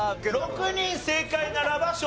６人正解ならば勝利。